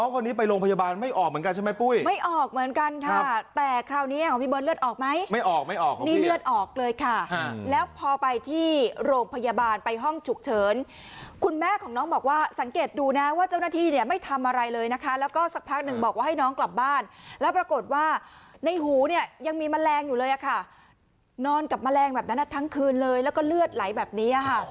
สภาพสตรีก่อนมะแรงเข้าหูหนูเอาออกยังไง